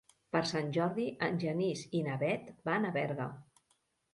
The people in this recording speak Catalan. Per Sant Jordi en Genís i na Bet van a Berga.